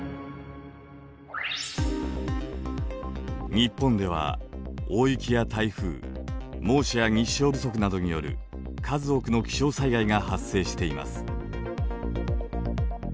日本では大雪や台風猛暑や日照不足などによる数多くの気象災害が発生しています。